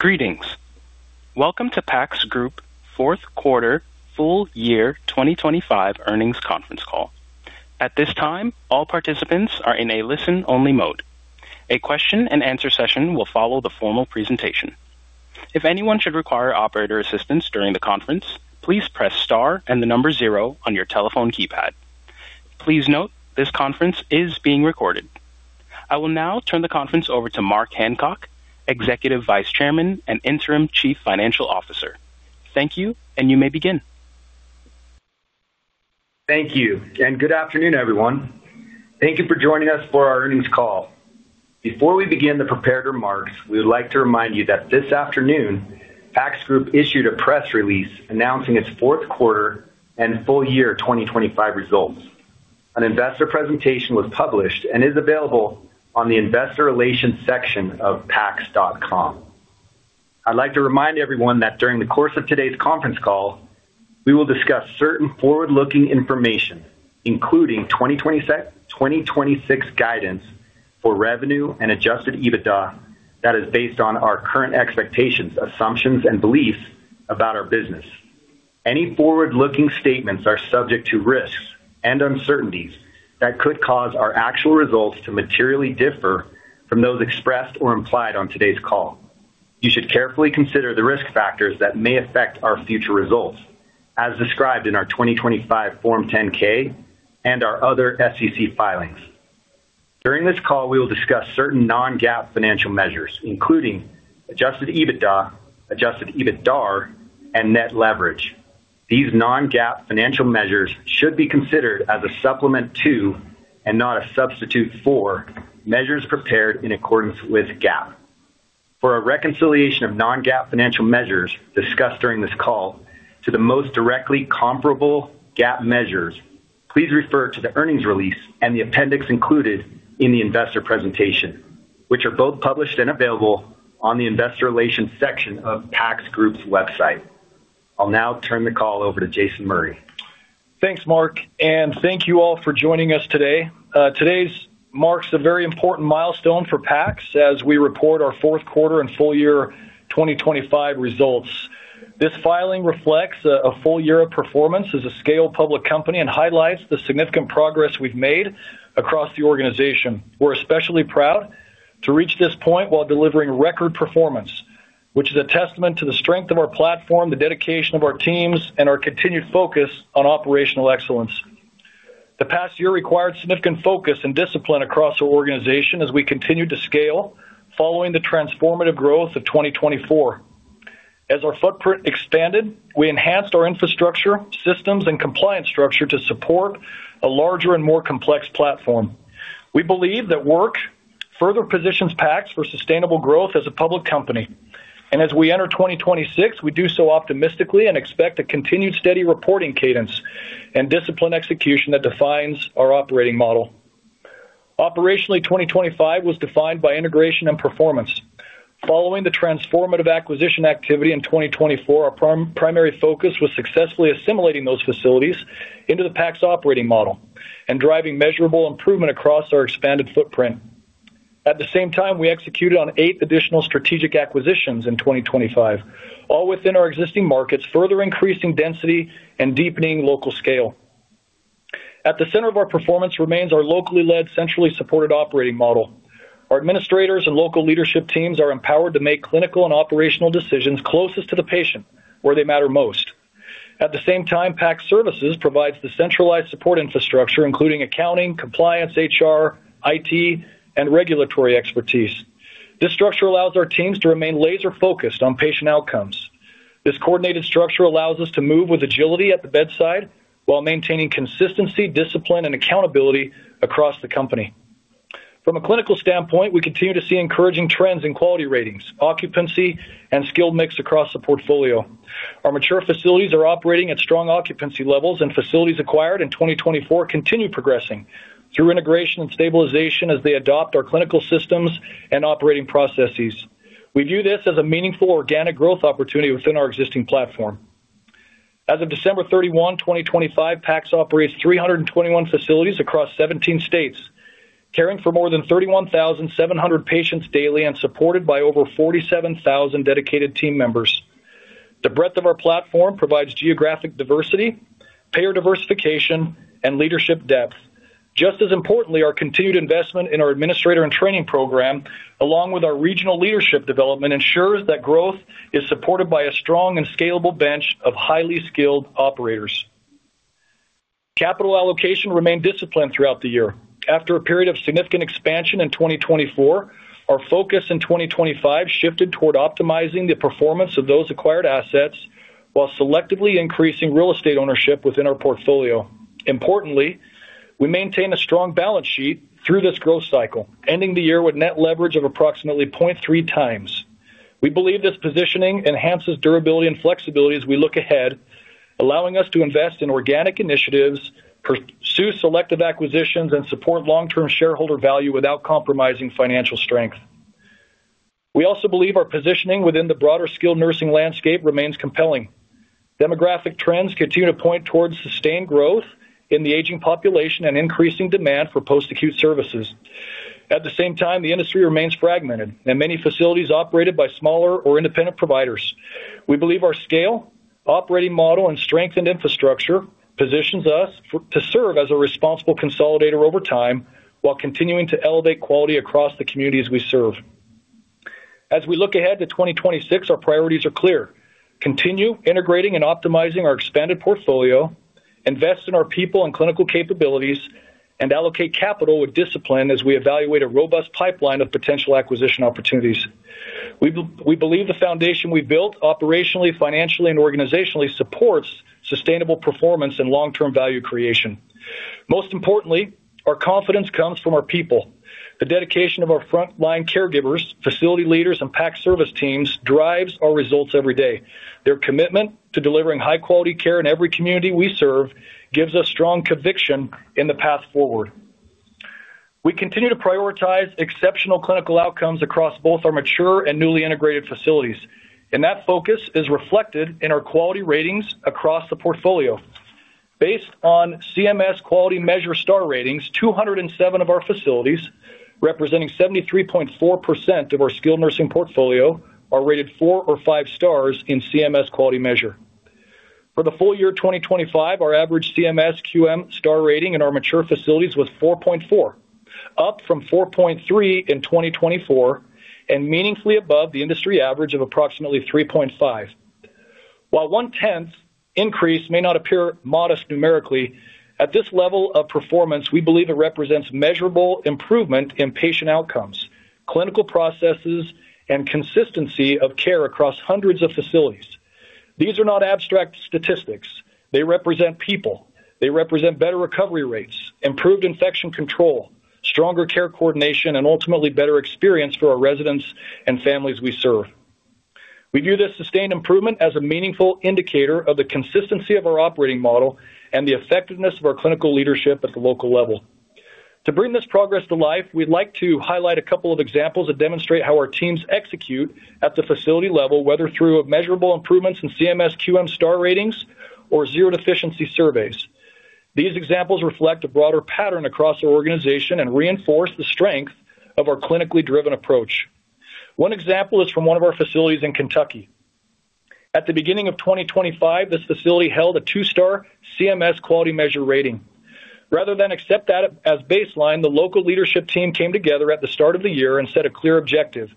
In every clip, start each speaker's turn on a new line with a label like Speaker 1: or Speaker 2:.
Speaker 1: Greetings. Welcome to PACS Group Fourth Quarter Full Year 2025 Earnings Conference Call. At this time, all participants are in a listen-only mode. A question-and-answer session will follow the formal presentation. If anyone should require operator assistance during the conference, please press star and the number zero on your telephone keypad. Please note this conference is being recorded. I will now turn the conference over to Mark Hancock, Executive Vice Chairman and Interim Chief Financial Officer. Thank you, and you may begin.
Speaker 2: Thank you, good afternoon, everyone. Thank you for joining us for our earnings call. Before we begin the prepared remarks, we would like to remind you that this afternoon, PACS Group issued a press release announcing its fourth quarter and full year 2025 results. An investor presentation was published and is available on the investor relations section of pacs.com. I'd like to remind everyone that during the course of today's conference call, we will discuss certain forward-looking information, including 2026 guidance for revenue and adjusted EBITDA that is based on our current expectations, assumptions, and beliefs about our business. Any forward-looking statements are subject to risks and uncertainties that could cause our actual results to materially differ from those expressed or implied on today's call. You should carefully consider the risk factors that may affect our future results, as described in our 2025 Form 10-K and our other SEC filings. During this call, we will discuss certain non-GAAP financial measures, including adjusted EBITDA, adjusted EBITDAR, and net leverage. These non-GAAP financial measures should be considered as a supplement to, and not a substitute for, measures prepared in accordance with GAAP. For a reconciliation of non-GAAP financial measures discussed during this call to the most directly comparable GAAP measures, please refer to the earnings release and the appendix included in the investor presentation, which are both published and available on the investor relations section of PACS Group's website. I'll now turn the call over to Jason Murray.
Speaker 3: Thanks, Mark, and thank you all for joining us today. Today marks a very important milestone for PACS as we report our fourth quarter and full year 2025 results. This filing reflects a full year of performance as a scale public company and highlights the significant progress we've made across the organization. We're especially proud to reach this point while delivering record performance, which is a testament to the strength of our platform, the dedication of our teams, and our continued focus on operational excellence. The past year required significant focus and discipline across our organization as we continued to scale following the transformative growth of 2024. As our footprint expanded, we enhanced our infrastructure, systems, and compliance structure to support a larger and more complex platform. We believe that work further positions PACS for sustainable growth as a public company. As we enter 2026, we do so optimistically and expect a continued steady reporting cadence and disciplined execution that defines our operating model. Operationally, 2025 was defined by integration and performance. Following the transformative acquisition activity in 2024, our primary focus was successfully assimilating those facilities into the PACS operating model and driving measurable improvement across our expanded footprint. At the same time, we executed on 8 additional strategic acquisitions in 2025, all within our existing markets, further increasing density and deepening local scale. At the center of our performance remains our locally led, centrally supported operating model. Our administrators and local leadership teams are empowered to make clinical and operational decisions closest to the patient, where they matter most. At the same time, PACS Services provides the centralized support infrastructure, including accounting, compliance, HR, IT, and regulatory expertise. This structure allows our teams to remain laser-focused on patient outcomes. This coordinated structure allows us to move with agility at the bedside while maintaining consistency, discipline, and accountability across the company. From a clinical standpoint, we continue to see encouraging trends in quality ratings, occupancy, and skilled mix across the portfolio. Our mature facilities are operating at strong occupancy levels, and facilities acquired in 2024 continue progressing through integration and stabilization as they adopt our clinical systems and operating processes. We view this as a meaningful organic growth opportunity within our existing platform. As of December 31, 2025, PACS operates 321 facilities across 17 states, caring for more than 31,700 patients daily and supported by over 47,000 dedicated team members. The breadth of our platform provides geographic diversity, payer diversification, and leadership depth. Just as importantly, our continued investment in our administrator-in-training program, along with our regional leadership development, ensures that growth is supported by a strong and scalable bench of highly skilled operators. Capital allocation remained disciplined throughout the year. After a period of significant expansion in 2024, our focus in 2025 shifted toward optimizing the performance of those acquired assets while selectively increasing real estate ownership within our portfolio. Importantly, we maintain a strong balance sheet through this growth cycle, ending the year with net leverage of approximately 0.3x. We believe this positioning enhances durability and flexibility as we look ahead, allowing us to invest in organic initiatives, pursue selective acquisitions, and support long-term shareholder value without compromising financial strength. We also believe our positioning within the broader skilled nursing landscape remains compelling. Demographic trends continue to point towards sustained growth in the aging population and increasing demand for post-acute services. At the same time, the industry remains fragmented and many facilities operated by smaller or independent providers. We believe our scale, operating model, and strengthened infrastructure positions us to serve as a responsible consolidator over time while continuing to elevate quality across the communities we serve. As we look ahead to 2026, our priorities are clear: continue integrating and optimizing our expanded portfolio, invest in our people and clinical capabilities, and allocate capital with discipline as we evaluate a robust pipeline of potential acquisition opportunities. We believe the foundation we built operationally, financially, and organizationally supports sustainable performance and long-term value creation. Most importantly, our confidence comes from our people. The dedication of our frontline caregivers, facility leaders, and PACS Services teams drives our results every day. Their commitment to delivering high-quality care in every community we serve gives us strong conviction in the path forward. We continue to prioritize exceptional clinical outcomes across both our mature and newly integrated facilities. That focus is reflected in our quality ratings across the portfolio. Based on CMS Quality Measure Star ratings, 207 of our facilities, representing 73.4% of our skilled nursing portfolio, are rated four or five stars in CMS Quality Measure. For the full year 2025, our average CMS QM Star rating in our mature facilities was 4.4, up from 4.3 in 2024. Meaningfully above the industry average of approximately 3.5. While 0.1 increase may not appear modest numerically, at this level of performance, we believe it represents measurable improvement in patient outcomes, clinical processes, and consistency of care across hundreds of facilities. These are not abstract statistics. They represent people. They represent better recovery rates, improved infection control, stronger care coordination, and ultimately better experience for our residents and families we serve. We view this sustained improvement as a meaningful indicator of the consistency of our operating model and the effectiveness of our clinical leadership at the local level. To bring this progress to life, we'd like to highlight a couple of examples that demonstrate how our teams execute at the facility level, whether through measurable improvements in CMS QM Star ratings or zero-deficiency surveys. These examples reflect a broader pattern across the organization and reinforce the strength of our clinically driven approach. One example is from one of our facilities in Kentucky. At the beginning of 2025, this facility held a 2-star CMS Quality Measure rating. Rather than accept that as baseline, the local leadership team came together at the start of the year and set a clear objective: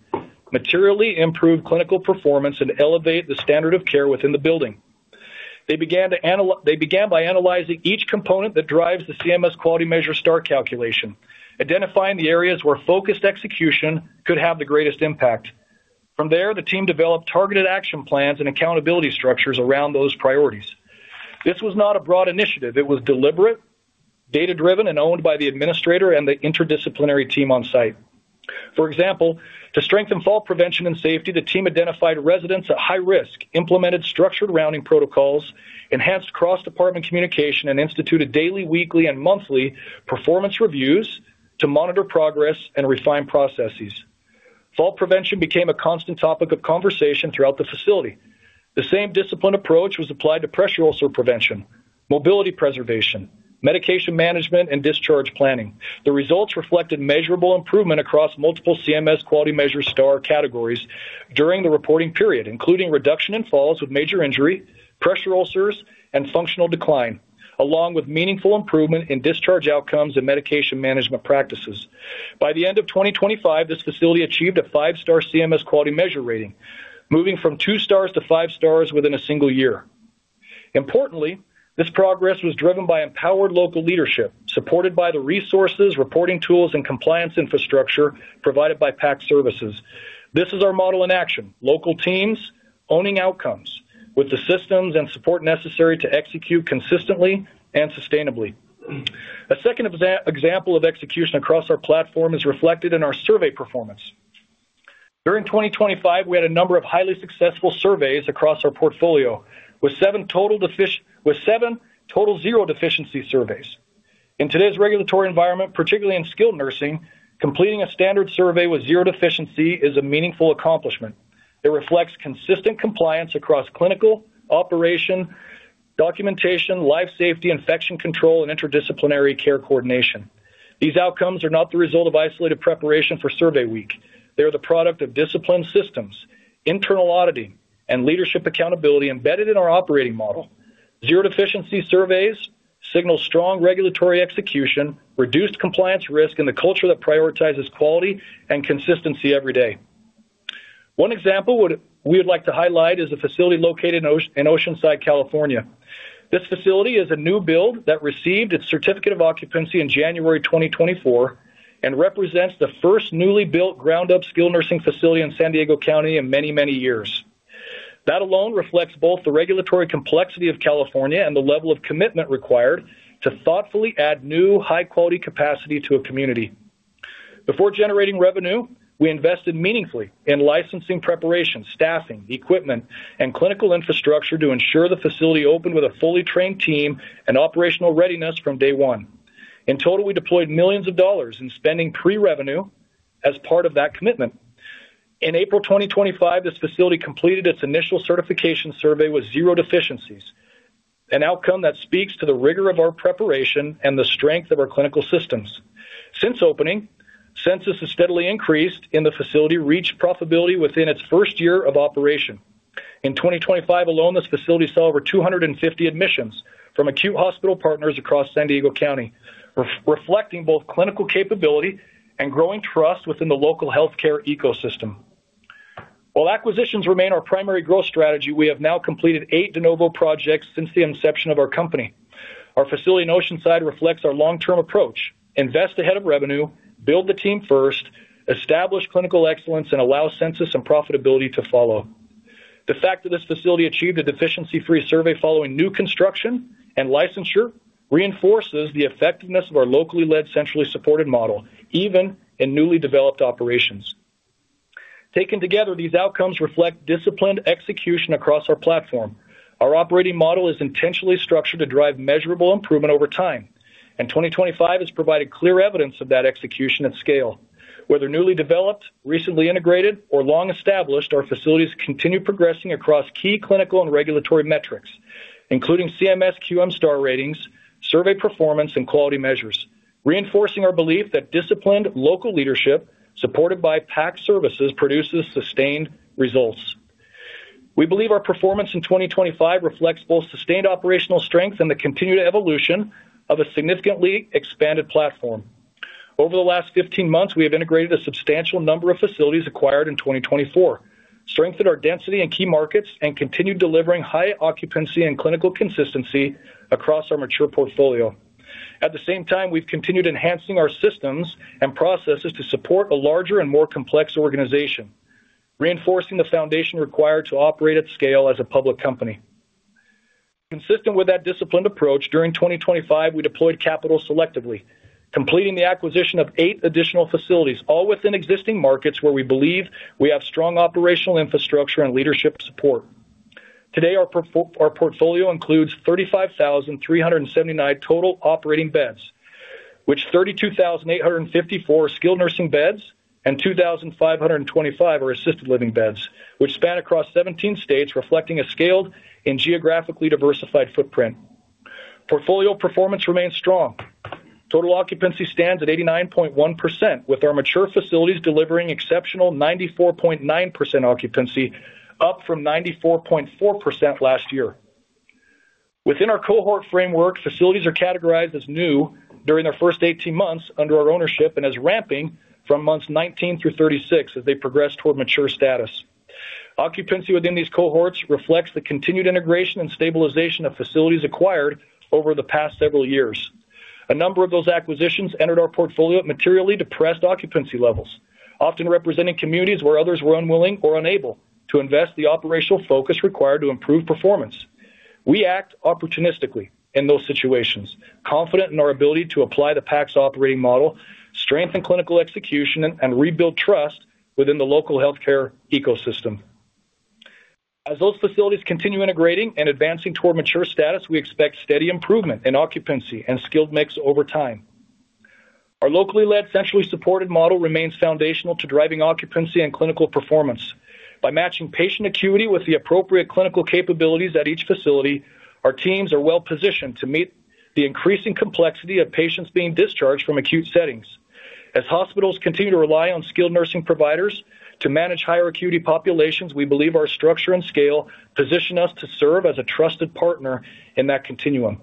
Speaker 3: materially improve clinical performance and elevate the standard of care within the building. They began by analyzing each component that drives the CMS Quality Measure Star calculation, identifying the areas where focused execution could have the greatest impact. There, the team developed targeted action plans and accountability structures around those priorities. This was not a broad initiative. It was deliberate, data-driven, and owned by the administrator and the interdisciplinary team on site. For example, to strengthen fall prevention and safety, the team identified residents at high risk, implemented structured rounding protocols, enhanced cross-department communication, and instituted daily, weekly, and monthly performance reviews to monitor progress and refine processes. Fall prevention became a constant topic of conversation throughout the facility. The same disciplined approach was applied to pressure ulcer prevention, mobility preservation, medication management, and discharge planning. The results reflected measurable improvement across multiple CMS Quality Measure Star categories during the reporting period, including reduction in falls with major injury, pressure ulcers, and functional decline, along with meaningful improvement in discharge outcomes and medication management practices. By the end of 2025, this facility achieved a 5-star CMS Quality Measure rating, moving from 2 stars to 5 stars within a single year. Importantly, this progress was driven by empowered local leadership, supported by the resources, reporting tools, and compliance infrastructure provided by PACS Services. This is our model in action: local teams owning outcomes with the systems and support necessary to execute consistently and sustainably. A second example of execution across our platform is reflected in our survey performance. During 2025, we had a number of highly successful surveys across our portfolio, with 7 total Zero Deficiency Surveys. In today's regulatory environment, particularly in skilled nursing, completing a standard survey with Zero Deficiency is a meaningful accomplishment. It reflects consistent compliance across clinical, operation, documentation, life safety, infection control, and interdisciplinary care coordination. These outcomes are not the result of isolated preparation for survey week. They are the product of disciplined systems, internal auditing, and leadership accountability embedded in our operating model. Zero Deficiency Surveys signal strong regulatory execution, reduced compliance risk, and a culture that prioritizes quality and consistency every day. One example we would like to highlight is a facility located in Oceanside, California. This facility is a new build that received its certificate of occupancy in January 2024 and represents the first newly built ground-up skilled nursing facility in San Diego County in many, many years. That alone reflects both the regulatory complexity of California and the level of commitment required to thoughtfully add new, high-quality capacity to a community. Before generating revenue, we invested meaningfully in licensing preparation, staffing, equipment, and clinical infrastructure to ensure the facility opened with a fully trained team and operational readiness from day one. In total, we deployed millions of dollars in spending pre-revenue as part of that commitment. In April 2025, this facility completed its initial certification survey with zero deficiencies, an outcome that speaks to the rigor of our preparation and the strength of our clinical systems. Since opening, census has steadily increased, the facility reached profitability within its first year of operation. In 2025 alone, this facility saw over 250 admissions from acute hospital partners across San Diego County, reflecting both clinical capability and growing trust within the local healthcare ecosystem. While acquisitions remain our primary growth strategy, we have now completed eight de novo projects since the inception of our company. Our facility in Oceanside reflects our long-term approach: invest ahead of revenue, build the team first, establish clinical excellence, and allow census and profitability to follow. The fact that this facility achieved a deficiency-free survey following new construction and licensure reinforces the effectiveness of our locally led, centrally supported model, even in newly developed operations. Taken together, these outcomes reflect disciplined execution across our platform. Our operating model is intentionally structured to drive measurable improvement over time, and 2025 has provided clear evidence of that execution at scale. Whether newly developed, recently integrated, or long established, our facilities continue progressing across key clinical and regulatory metrics, including CMS QM Star ratings, survey performance, and quality measures, reinforcing our belief that disciplined local leadership, supported by PACS Services, produces sustained results. We believe our performance in 2025 reflects both sustained operational strength and the continued evolution of a significantly expanded platform. Over the last 15 months, we have integrated a substantial number of facilities acquired in 2024, strengthened our density in key markets, and continued delivering high occupancy and clinical consistency across our mature portfolio. At the same time, we've continued enhancing our systems and processes to support a larger and more complex organization, reinforcing the foundation required to operate at scale as a public company. Consistent with that disciplined approach, during 2025, we deployed capital selectively, completing the acquisition of 8 additional facilities, all within existing markets where we believe we have strong operational infrastructure and leadership support. Today, our portfolio includes 35,379 total operating beds, which 32,854 are skilled nursing beds, and 2,525 are assisted living beds, which span across 17 states, reflecting a scaled and geographically diversified footprint. Portfolio performance remains strong. Total occupancy stands at 89.1%, with our mature facilities delivering exceptional 94.9% occupancy, up from 94.4% last year. Within our cohort framework, facilities are categorized as new during their first 18 months under our ownership and as ramping from months 19 through 36 as they progress toward mature status. Occupancy within these cohorts reflects the continued integration and stabilization of facilities acquired over the past several years. A number of those acquisitions entered our portfolio at materially depressed occupancy levels, often representing communities where others were unwilling or unable to invest the operational focus required to improve performance. We act opportunistically in those situations, confident in our ability to apply the PACS operating model, strengthen clinical execution, and rebuild trust within the local healthcare ecosystem. As those facilities continue integrating and advancing toward mature status, we expect steady improvement in occupancy and skilled mix over time. Our locally led, centrally supported model remains foundational to driving occupancy and clinical performance. By matching patient acuity with the appropriate clinical capabilities at each facility, our teams are well-positioned to meet the increasing complexity of patients being discharged from acute settings. As hospitals continue to rely on skilled nursing providers to manage higher acuity populations, we believe our structure and scale position us to serve as a trusted partner in that continuum.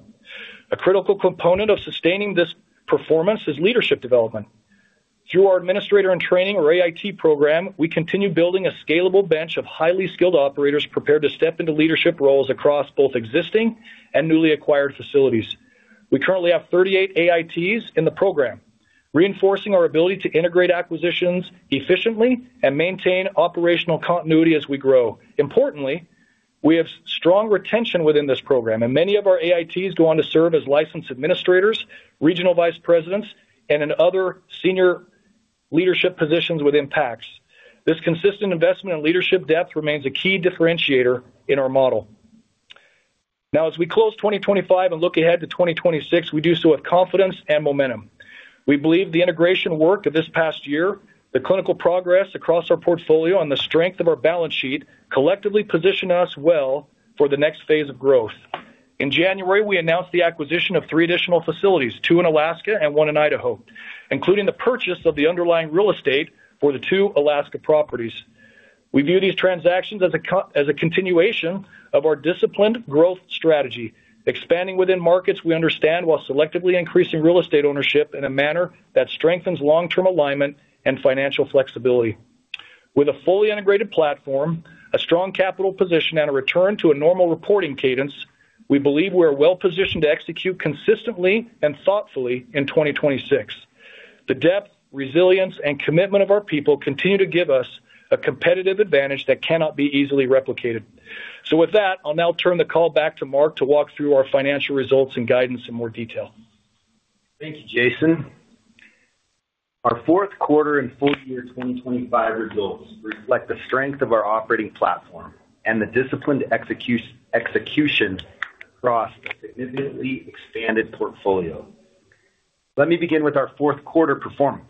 Speaker 3: A critical component of sustaining this performance is leadership development. Through our administrator-in-training, or AIT, program, we continue building a scalable bench of highly skilled operators prepared to step into leadership roles across both existing and newly acquired facilities. We currently have 38 AITs in the program, reinforcing our ability to integrate acquisitions efficiently and maintain operational continuity as we grow. Importantly, we have strong retention within this program, and many of our AITs go on to serve as licensed administrators, regional vice presidents, and in other senior leadership positions within PACS. This consistent investment in leadership depth remains a key differentiator in our model. As we close 2025 and look ahead to 2026, we do so with confidence and momentum. We believe the integration work of this past year, the clinical progress across our portfolio, and the strength of our balance sheet collectively position us well for the next phase of growth. In January, we announced the acquisition of 3 additional facilities, 2 in Alaska and 1 in Idaho, including the purchase of the underlying real estate for the 2 Alaska properties. We view these transactions as a continuation of our disciplined growth strategy, expanding within markets we understand, while selectively increasing real estate ownership in a manner that strengthens long-term alignment and financial flexibility. With a fully integrated platform, a strong capital position, and a return to a normal reporting cadence, we believe we are well-positioned to execute consistently and thoughtfully in 2026. The depth, resilience, and commitment of our people continue to give us a competitive advantage that cannot be easily replicated. With that, I'll now turn the call back to Mark to walk through our financial results and guidance in more detail.
Speaker 2: Thank you, Jason. Our fourth quarter and full year 2025 results reflect the strength of our operating platform and the disciplined execution across a significantly expanded portfolio. Let me begin with our fourth quarter performance.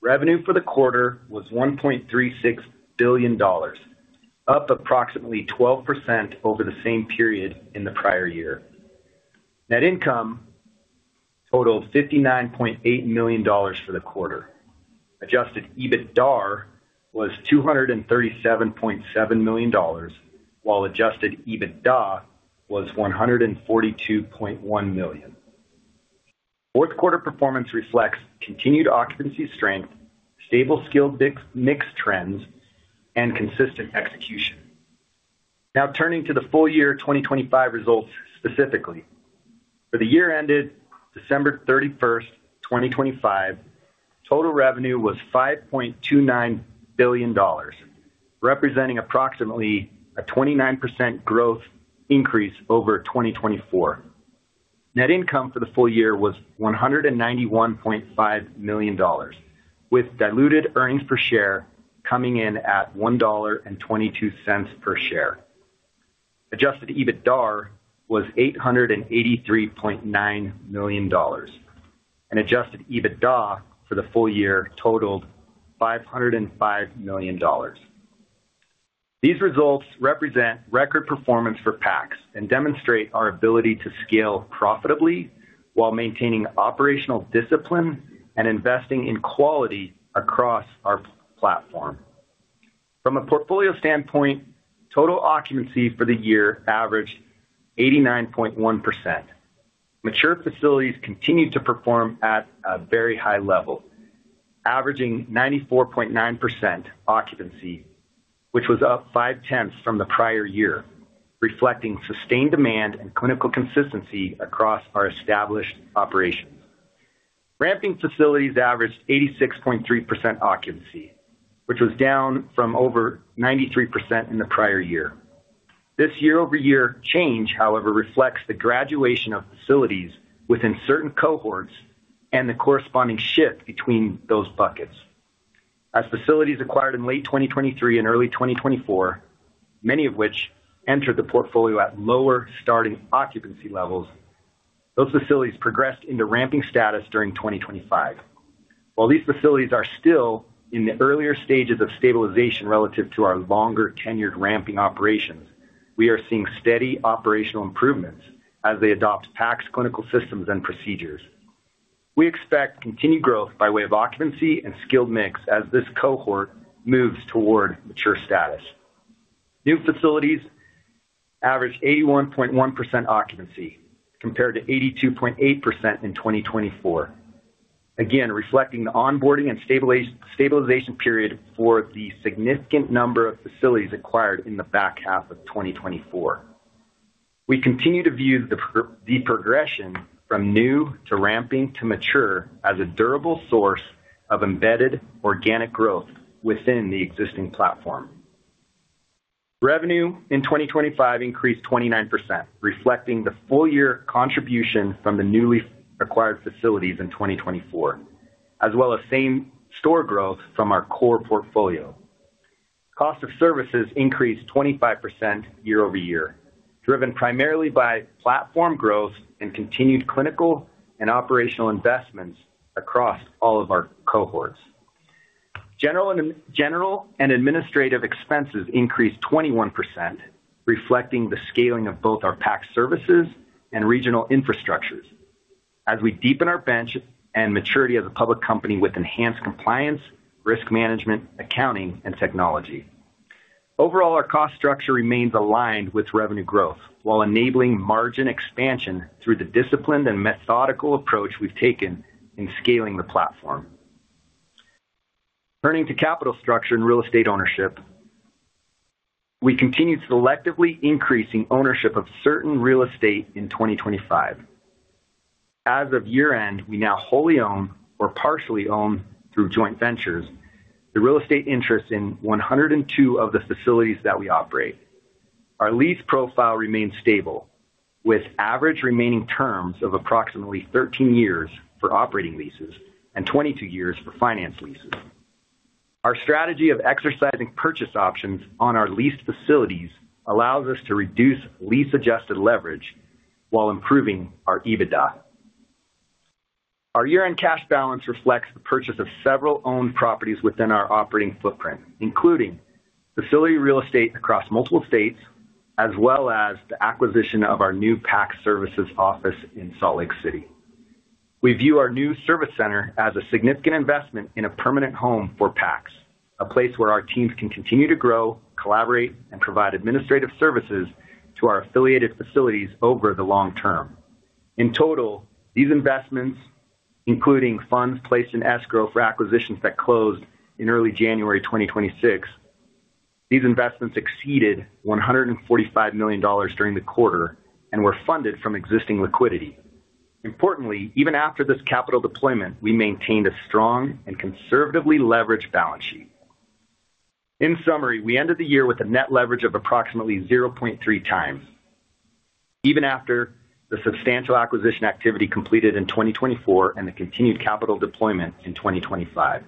Speaker 2: Revenue for the quarter was $1.36 billion, up approximately 12% over the same period in the prior year. Net income totaled $59.8 million for the quarter. Adjusted EBITDAR was $237.7 million, while adjusted EBITDA was $142.1 million. Fourth quarter performance reflects continued occupancy strength, stable skilled mix trends, and consistent execution. Turning to the full year 2025 results specifically. For the year ended December 31st, 2025, total revenue was $5.29 billion, representing approximately a 29% growth increase over 2024. Net income for the full year was $191.5 million, with diluted earnings per share coming in at $1.22 per share. Adjusted EBITDAR was $883.9 million, adjusted EBITDA for the full year totaled $505 million. These results represent record performance for PACS and demonstrate our ability to scale profitably while maintaining operational discipline and investing in quality across our platform. From a portfolio standpoint, total occupancy for the year averaged 89.1%. Mature facilities continued to perform at a very high level, averaging 94.9% occupancy, which was up 0.5 from the prior year, reflecting sustained demand and clinical consistency across our established operations. Ramping facilities averaged 86.3% occupancy, which was down from over 93% in the prior year. This year-over-year change, however, reflects the graduation of facilities within certain cohorts and the corresponding shift between those buckets. As facilities acquired in late 2023 and early 2024, many of which entered the portfolio at lower starting occupancy levels, those facilities progressed into ramping status during 2025. While these facilities are still in the earlier stages of stabilization relative to our longer-tenured ramping operations, we are seeing steady operational improvements as they adopt PACS clinical systems and procedures. We expect continued growth by way of occupancy and skilled mix as this cohort moves toward mature status. New facilities averaged 81.1% occupancy compared to 82.8% in 2024. Again, reflecting the onboarding and stabilization period for the significant number of facilities acquired in the back half of 2024. We continue to view the progression from new to ramping to mature as a durable source of embedded organic growth within the existing platform. Revenue in 2025 increased 29%, reflecting the full-year contribution from the newly acquired facilities in 2024, as well as same-store growth from our core portfolio. Cost of services increased 25% year-over-year, driven primarily by platform growth and continued clinical and operational investments across all of our cohorts. General and administrative expenses increased 21%, reflecting the scaling of both our PACS Services and regional infrastructures as we deepen our bench and maturity as a public company with enhanced compliance, risk management, accounting, and technology. Overall, our cost structure remains aligned with revenue growth while enabling margin expansion through the disciplined and methodical approach we've taken in scaling the platform. Turning to capital structure and real estate ownership, we continue selectively increasing ownership of certain real estate in 2025. As of year-end, we now wholly own or partially own through joint ventures the real estate interest in 102 of the facilities that we operate. Our lease profile remains stable, with average remaining terms of approximately 13 years for operating leases and 22 years for finance leases. Our strategy of exercising purchase options on our leased facilities allows us to reduce lease-adjusted leverage while improving our EBITDA. Our year-end cash balance reflects the purchase of several owned properties within our operating footprint, including facility real estate across multiple states, as well as the acquisition of our new PACS Services office in Salt Lake City. We view our new service center as a significant investment in a permanent home for PACS, a place where our teams can continue to grow, collaborate, and provide administrative services to our affiliated facilities over the long term. These investments, including funds placed in escrow for acquisitions that closed in early January 2026, these investments exceeded $145 million during the quarter and were funded from existing liquidity. Even after this capital deployment, we maintained a strong and conservatively leveraged balance sheet. We ended the year with a net leverage of approximately 0.3x, even after the substantial acquisition activity completed in 2024 and the continued capital deployment in 2025.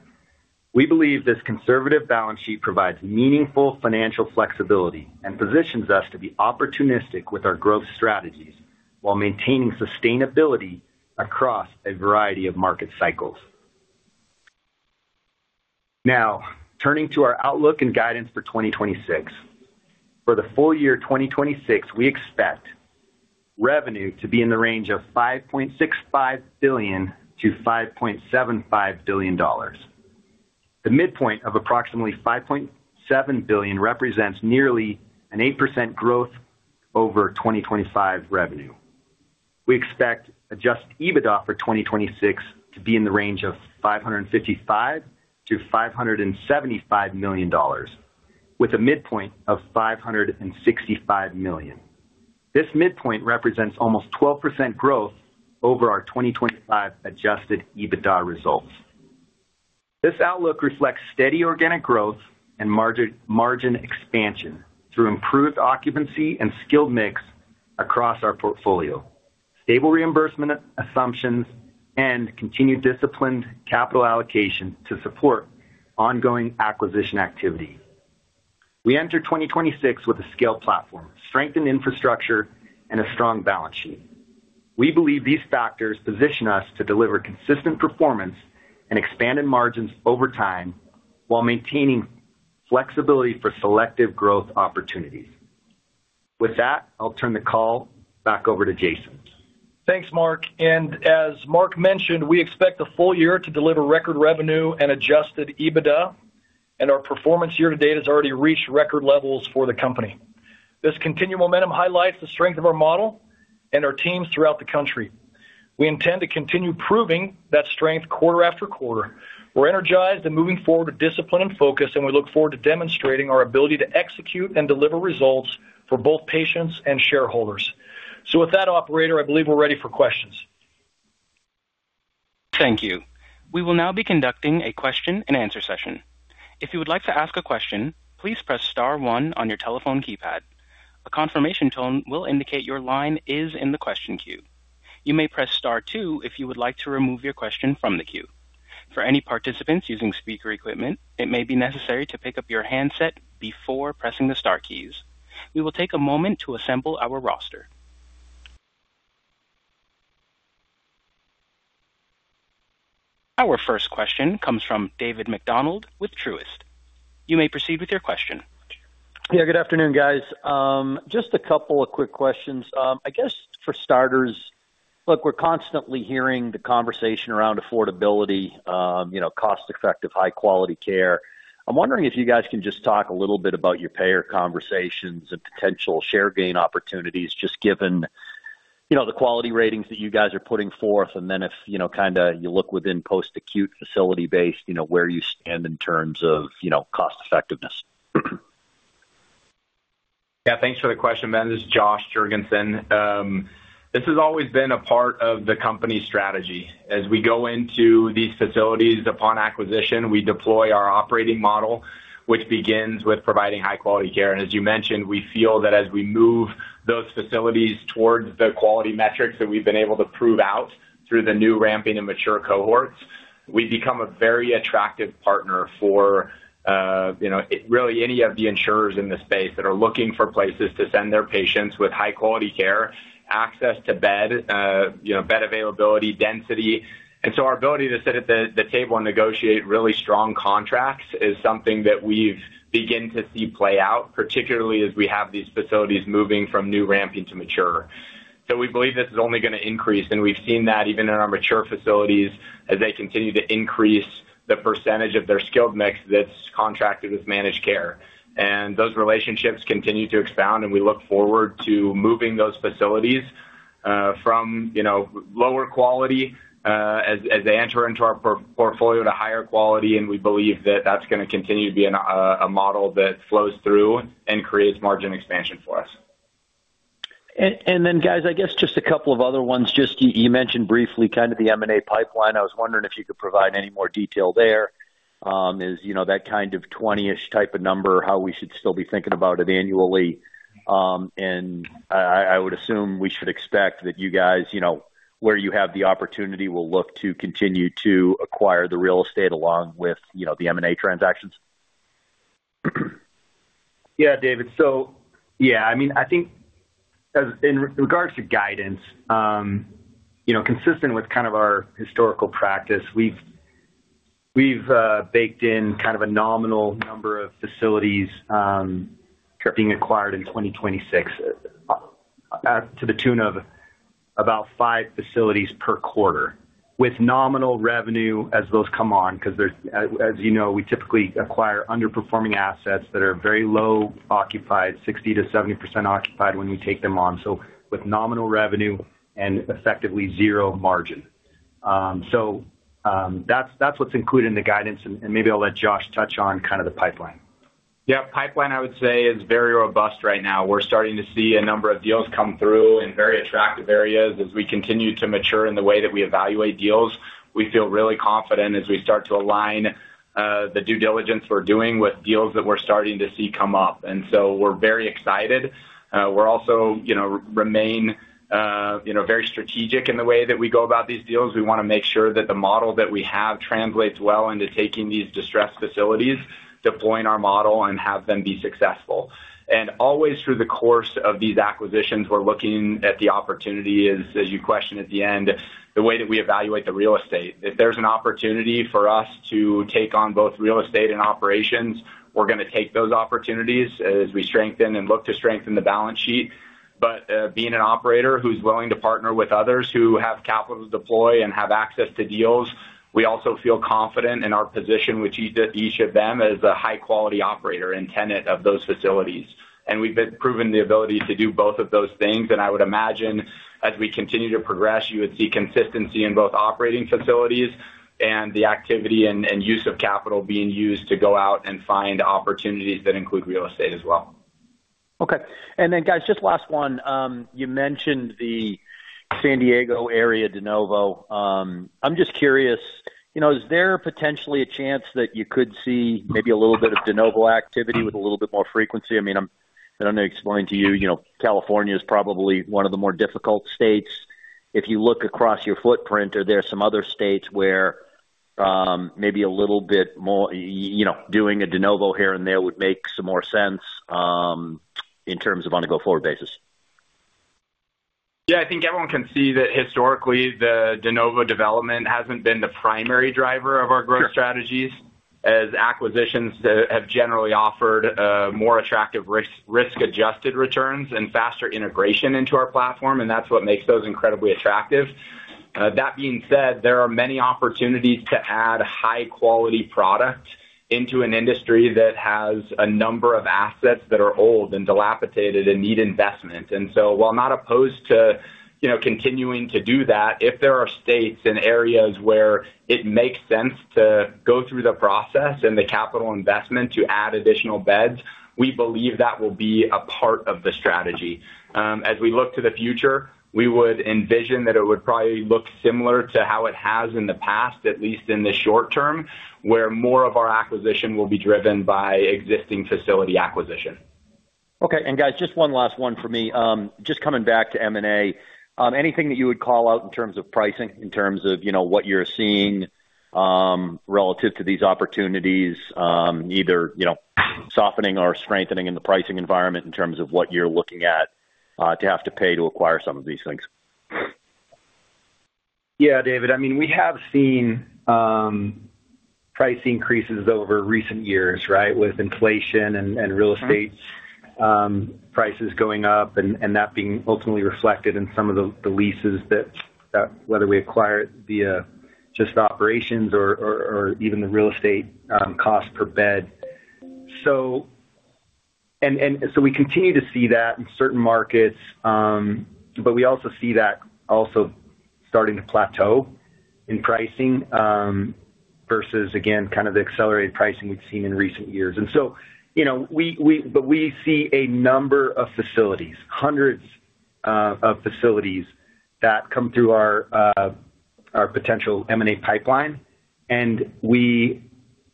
Speaker 2: We believe this conservative balance sheet provides meaningful financial flexibility and positions us to be opportunistic with our growth strategies, while maintaining sustainability across a variety of market cycles. Turning to our outlook and guidance for 2026. For the full year 2026, we expect revenue to be in the range of $5.65 billion-$5.75 billion. The midpoint of approximately $5.7 billion represents nearly an 8% growth over 2025 revenue. We expect adjusted EBITDA for 2026 to be in the range of $555 million-$575 million, with a midpoint of $565 million. This midpoint represents almost 12% growth over our 2025 adjusted EBITDA results. This outlook reflects steady organic growth and margin expansion through improved occupancy and skilled mix across our portfolio, stable reimbursement assumptions, and continued disciplined capital allocation to support ongoing acquisition activity. We enter 2026 with a scaled platform, strengthened infrastructure, and a strong balance sheet. We believe these factors position us to deliver consistent performance and expanded margins over time while maintaining flexibility for selective growth opportunities. With that, I'll turn the call back over to Jason.
Speaker 3: Thanks, Mark. As Mark mentioned, we expect the full year to deliver record revenue and adjusted EBITDA. Our performance year-to-date has already reached record levels for the company. This continued momentum highlights the strength of our model and our teams throughout the country. We intend to continue proving that strength quarter after quarter. We're energized and moving forward with discipline and focus. We look forward to demonstrating our ability to execute and deliver results for both patients and shareholders. With that operator, I believe we're ready for questions.
Speaker 1: Thank you. We will now be conducting a question-and-answer session. If you would like to ask a question, please press star one on your telephone keypad. A confirmation tone will indicate your line is in the question queue. You may press star two if you would like to remove your question from the queue. For any participants using speaker equipment, it may be necessary to pick up your handset before pressing the star keys. We will take a moment to assemble our roster. Our first question comes from David MacDonald with Truist. You may proceed with your question.
Speaker 4: Good afternoon, guys. Just a couple of quick questions. I guess for starters, look, we're constantly hearing the conversation around affordability, you know, cost-effective, high-quality care. I'm wondering if you guys can just talk a little bit about your payer conversations and potential share gain opportunities, just given, you know, the quality ratings that you guys are putting forth, and then if, you know, kind of you look within post-acute facility base, you know, where you stand in terms of, you know, cost effectiveness?
Speaker 5: Thanks for the question, David. This is Josh Derksen. This has always been a part of the company's strategy. As we go into these facilities upon acquisition, we deploy our operating model, which begins with providing high-quality care. As you mentioned, we feel that as we move those facilities towards the quality metrics that we've been able to prove out through the new ramping and mature cohorts, we become a very attractive partner for, you know, really any of the insurers in the space that are looking for places to send their patients with high quality care, access to bed, you know, bed availability, density. Our ability to sit at the table and negotiate really strong contracts is something that we've begin to see play out, particularly as we have these facilities moving from new ramping to mature. We believe this is only going to increase, and we've seen that even in our mature facilities as they continue to increase the percentage of their skilled mix that's contracted with managed care. Those relationships continue to expand, and we look forward to moving those facilities from, you know, lower quality, as they enter into our portfolio, to higher quality. We believe that that's going to continue to be a model that flows through and creates margin expansion for us.
Speaker 4: Guys, I guess just a couple of other ones. Just, you mentioned briefly, kind of the M&A pipeline. I was wondering if you could provide any more detail there. Is, you know, that kind of 20-ish type of number, how we should still be thinking about it annually? I would assume we should expect that you guys, you know, where you have the opportunity, will look to continue to acquire the real estate along with, you know, the M&A transactions.
Speaker 2: Yeah, David. Yeah, I mean, I think as in regards to guidance, you know, consistent with kind of our historical practice, we've baked in kind of a nominal number of facilities being acquired in 2026 to the tune of about 5 facilities per quarter, with nominal revenue as those come on, because there's, as you know, we typically acquire underperforming assets that are very low occupied, 60%-70% occupied when we take them on. With nominal revenue and effectively 0 margin. That's what's included in the guidance, and maybe I'll let Josh touch on kind of the pipeline.
Speaker 5: Yeah, pipeline, I would say, is very robust right now. We're starting to see a number of deals come through in very attractive areas. As we continue to mature in the way that we evaluate deals, we feel really confident as we start to align the due diligence we're doing with deals that we're starting to see come up. We're very excited. We're also, you know, remain, you know, very strategic in the way that we go about these deals. We wanna make sure that the model that we have translates well into taking these distressed facilities, deploying our model, and have them be successful. Always through the course of these acquisitions, we're looking at the opportunity as you question at the end, the way that we evaluate the real estate. If there's an opportunity for us to take on both real estate and operations, we're gonna take those opportunities as we strengthen and look to strengthen the balance sheet. Being an operator who's willing to partner with others who have capital to deploy and have access to deals, we also feel confident in our position, which each of them is a high-quality operator and tenant of those facilities. We've been proven the ability to do both of those things. I would imagine, as we continue to progress, you would see consistency in both operating facilities and the activity and use of capital being used to go out and find opportunities that include real estate as well.
Speaker 4: Okay. Guys, just last one. You mentioned the San Diego area de novo. I'm just curious, you know, is there potentially a chance that you could see maybe a little bit of de novo activity with a little bit more frequency? I mean, I'm, I don't need to explain to you know, California is probably one of the more difficult states. If you look across your footprint, are there some other states where, maybe a little bit more, you know, doing a de novo here and there would make some more sense, in terms of on a go-forward basis?
Speaker 5: Yeah, I think everyone can see that historically, the de novo development hasn't been the primary driver of our growth strategies, as acquisitions have generally offered, more attractive risk-adjusted returns and faster integration into our platform, and that's what makes those incredibly attractive. That being said, there are many opportunities to add high quality product into an industry that has a number of assets that are old and dilapidated and need investment. So while I'm not opposed to, you know, continuing to do that, if there are states and areas where it makes sense to go through the process and the capital investment to add additional beds, we believe that will be a part of the strategy. As we look to the future, we would envision that it would probably look similar to how it has in the past, at least in the short term, where more of our acquisition will be driven by existing facility acquisition.
Speaker 4: Okay. Guys, just one last one for me. Just coming back to M&A. Anything that you would call out in terms of pricing, in terms of, you know, what you're seeing, relative to these opportunities, either, you know, softening or strengthening in the pricing environment in terms of what you're looking at, to have to pay to acquire some of these things?
Speaker 5: Yeah, David. I mean, we have seen price increases over recent years, right? With inflation and real estate prices going up and that being ultimately reflected in some of the leases that whether we acquire it via just the operations or even the real estate cost per bed. We continue to see that in certain markets, but we also see that also starting to plateau in pricing versus again, kind of the accelerated pricing we've seen in recent years. You know, we see a number of facilities, hundreds of facilities that come through our potential M&A pipeline, and we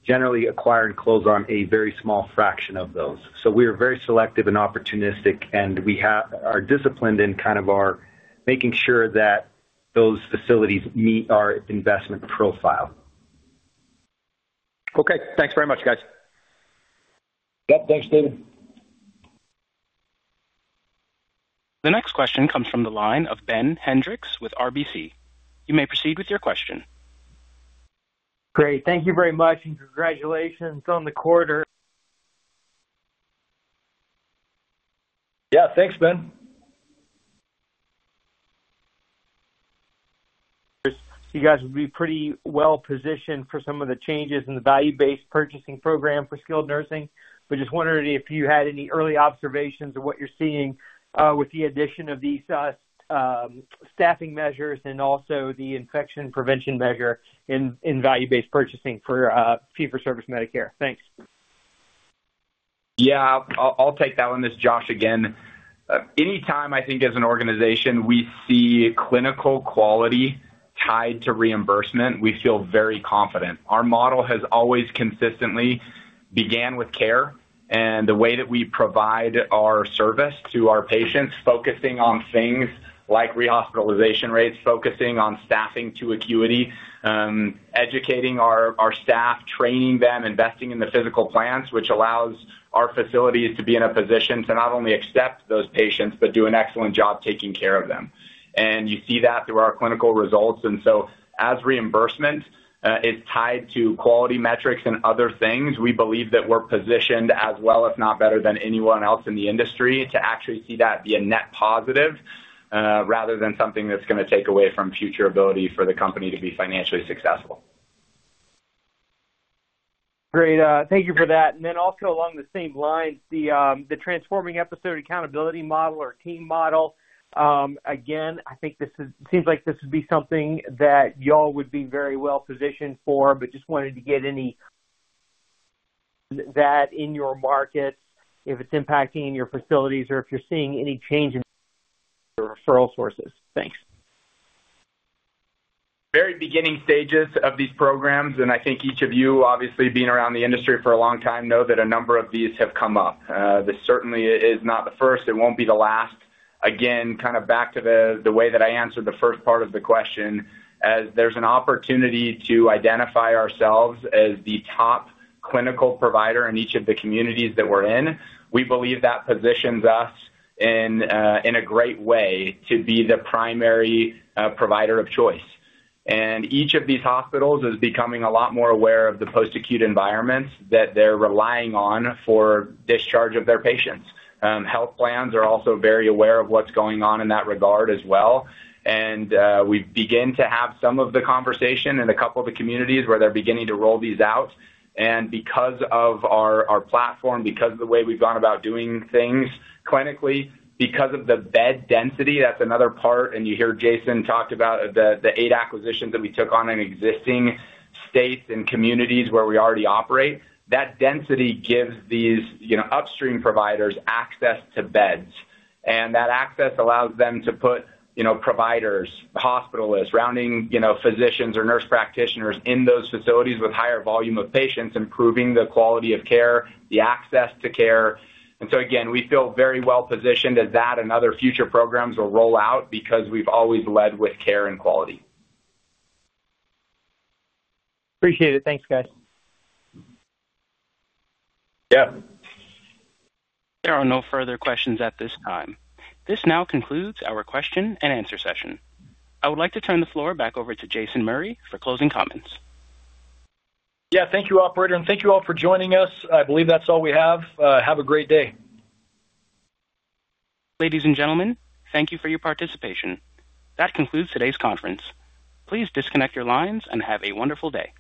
Speaker 5: generally acquire and close on a very small fraction of those. We are very selective and opportunistic, and we have our disciplined in kind of our making sure that those facilities meet our investment profile.
Speaker 4: Okay, thanks very much, guys.
Speaker 2: Yep. Thanks, David.
Speaker 1: The next question comes from the line of Ben Hendrix with RBC. You may proceed with your question.
Speaker 6: Great. Thank you very much, and congratulations on the quarter.
Speaker 2: Yeah, thanks, Ben.
Speaker 6: You guys will be pretty well-positioned for some of the changes in the value-based purchasing program for skilled nursing. Just wondering if you had any early observations of what you're seeing, with the addition of these, staffing measures and also the infection prevention measure in value-based purchasing for fee-for-service Medicare. Thanks.
Speaker 5: Yeah. I'll take that one. This is Josh again. Anytime I think as an organization, we see clinical quality tied to reimbursement, we feel very confident. Our model has always consistently began with care and the way that we provide our service to our patients, focusing on things like rehospitalization rates, focusing on staffing to acuity, educating our staff, training them, investing in the physical plans, which allows our facilities to be in a position to not only accept those patients, but do an excellent job taking care of them. You see that through our clinical results. As reimbursement is tied to quality metrics and other things, we believe that we're positioned as well, if not better than anyone else in the industry, to actually see that be a net positive, rather than something that's gonna take away from future ability for the company to be financially successful.
Speaker 6: Great. Thank you for that. Then also along the same lines, the Transforming Episode Accountability Model or TEAM model, again, I think seems like this would be something that y'all would be very well-positioned for. Just wanted to get that in your market, if it's impacting your facilities or if you're seeing any change in the referral sources? Thanks.
Speaker 5: Very beginning stages of these programs. I think each of you, obviously, being around the industry for a long time, know that a number of these have come up. This certainly is not the first. It won't be the last. Again, kind of back to the way that I answered the first part of the question, as there's an opportunity to identify ourselves as the top clinical provider in each of the communities that we're in, we believe that positions us in a great way to be the primary provider of choice. Each of these hospitals is becoming a lot more aware of the post-acute environments that they're relying on for discharge of their patients. Health plans are also very aware of what's going on in that regard as well. We begin to have some of the conversation in a couple of the communities where they're beginning to roll these out. Because of our platform, because of the way we've gone about doing things clinically, because of the bed density, that's another part, and you hear Jason talked about the 8 acquisitions that we took on in existing states and communities where we already operate. That density gives these, you know, upstream providers access to beds, and that access allows them to put, you know, providers, hospitalists, rounding, you know, physicians or nurse practitioners in those facilities with higher volume of patients, improving the quality of care, the access to care. Again, we feel very well-positioned as that and other future programs will roll out because we've always led with care and quality.
Speaker 6: Appreciate it. Thanks, guys.
Speaker 5: Yeah.
Speaker 1: There are no further questions at this time. This now concludes our question-and-answer session. I would like to turn the floor back over to Jason Murray for closing comments.
Speaker 3: Yeah. Thank you, operator, and thank you all for joining us. I believe that's all we have. Have a great day.
Speaker 1: Ladies and gentlemen, thank you for your participation. That concludes today's conference. Please disconnect your lines and have a wonderful day.